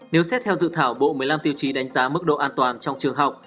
nếu xét theo dự thảo bộ một mươi năm tiêu chí đánh giá mức độ an toàn trong trường học